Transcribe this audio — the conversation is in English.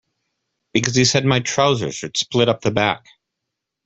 Because he said my trousers would split up the back.